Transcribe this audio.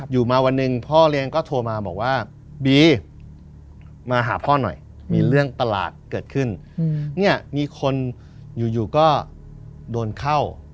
อยู่มาวันหนึ่งพ่อเลี้ยงก็โทรมาบอกว่าบีมาหาพ่อหน่อยมีเรื่องประหลาดเกิดขึ้นเนี่ยมีคนอยู่ก็โดนเข้า